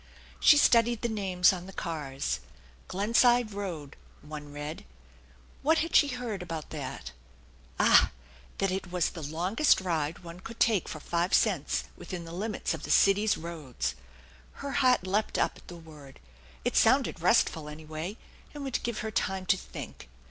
She studied the names on the cars. " Glenside Road " one read. What had she heard about that ? Ah ! that it was the longest ride one could take for five cents within the limits of the city's roads ! Her heart leaped up at the word. It sounded restful anyway, and would give her time to think.